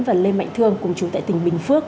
và lê mạnh thương cùng chú tại tỉnh bình phước